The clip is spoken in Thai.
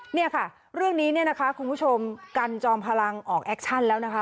เนี่ยค่ะเรื่องนี้เนี่ยนะคะคุณผู้ชมกันจอมพลังออกแอคชั่นแล้วนะคะ